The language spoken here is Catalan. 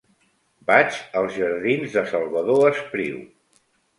Vaig als jardins de Salvador Espriu.